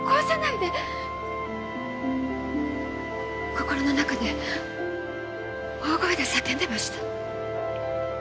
心の中で大声で叫んでました。